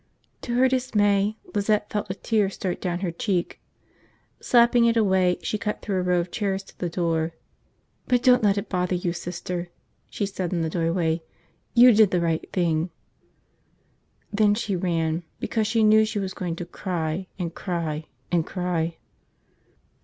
To her dismay, Lizette felt a tear start down her cheek. Slapping it away, she cut through a row of chairs to the door. "But don't let it bother you, Sister," she said in the doorway. "You did the right thing." Then she ran because she knew she was going to cry and cry and cry.